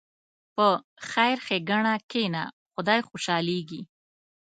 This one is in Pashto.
په خیر ښېګڼه کښېنه، خدای خوشحالېږي.